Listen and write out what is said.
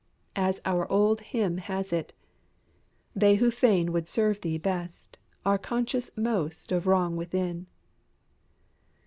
As our own hymn has it: "They who fain would serve Thee best Are conscious most of wrong within."